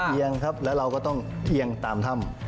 เอียงครับแล้วเราก็ต้องเอียงตามถ้ำ